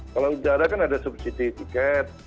kalau di darat kan ada subsidi tiket